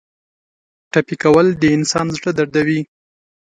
ټپي کول د انسان زړه دردوي.